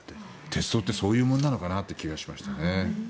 鉄道ってそういうものなのかなっていう気がしましたね。